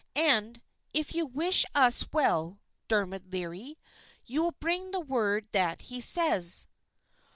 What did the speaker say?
And, if you wish us well, Dermod Leary, you will bring the word that he says."